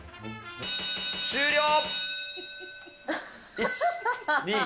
終了。